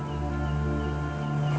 aku juga suka sama rizky